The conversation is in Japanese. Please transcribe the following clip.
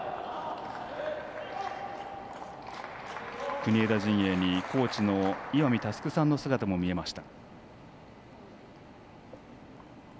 国枝陣営にコーチの岩見亮さんの姿が見えました。